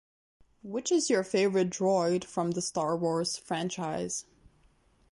Which is your favorite droid from the Star Wars franchise?